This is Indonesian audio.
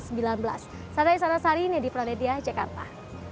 saya dhani sarasari ini di prodedia jakarta